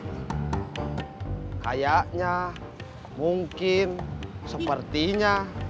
jadi kayaknya mungkin sepertinya